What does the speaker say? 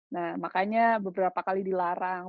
nah makanya beberapa kali dilarang